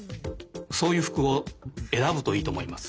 そういうふくをえらぶといいとおもいます。